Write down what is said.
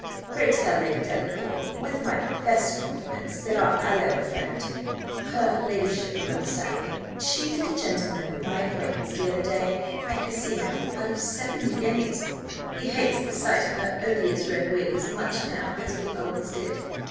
Pray tell Lady Delacour, with my best compliments, that our aloe friend (her ladyship will understand me) cheated a gentleman of my acquaintance the other day, at casino, out of seventy guineas. He hates the sight of her odious red wig as much now as we always did.